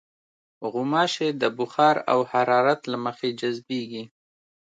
غوماشې د بخار او حرارت له مخې جذبېږي.